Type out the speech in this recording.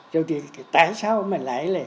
rồi thì tại sao mà lại